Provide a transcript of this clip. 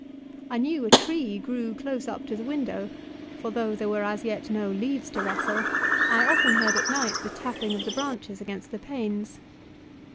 I knew a tree grew close up to the window, for though there were as yet no leaves to rustle, I often heard at night the tapping of branches against the panes.